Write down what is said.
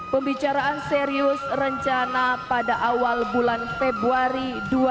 pembicaraan serius rencana pada awal bulan februari dua ribu dua puluh